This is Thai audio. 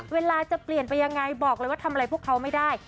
เวลาจะเปลี่ยนไปยังไงบอกเลยว่าทำอะไรพวกเขาไม่ได้